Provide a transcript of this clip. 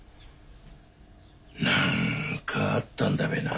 何かあったんだべな